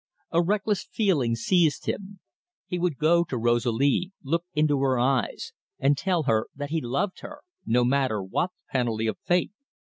A reckless feeling seized him. He would go to Rosalie, look into her eyes, and tell her that he loved her, no matter what the penalty of fate.